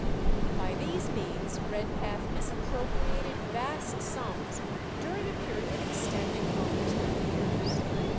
By these means Redpath misappropriated vast sums during a period extending over ten years.